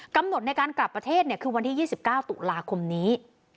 กำหนดในการกลับประเทศคือวันที่๒๙ตุลาคมนี้